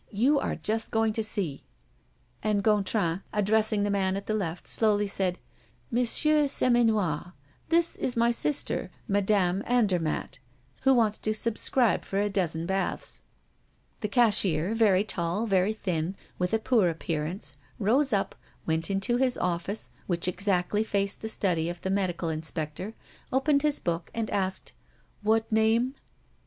You are just going to see." And Gontran, addressing the man at the left, slowly said: "Monsieur Seminois, this is my sister, Madame Andermatt, who wants to subscribe for a dozen baths." The cashier, very tall, very thin, with a poor appearance, rose up, went into his office, which exactly faced the study of the medical inspector, opened his book, and asked: "What name?"